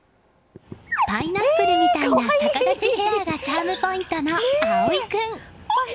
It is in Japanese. パイナップルみたいな逆立ちヘアがチャームポイントの蒼惺君。